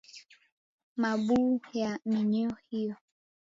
mabuu ya minyoo hiyo